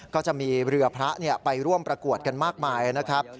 ก็จะมีเรือพระไปร่วมประกวดกันมากมายนะครับ